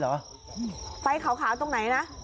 หลายคนบอกว่ามันเกียรติมาก